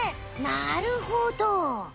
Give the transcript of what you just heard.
なるほど。